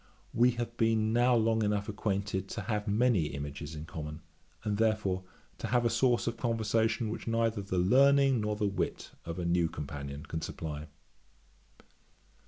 We have been now long enough acquainted to have many images in common, and therefore to have a source of conversation which neither the learning nor the wit of a new companion can supply.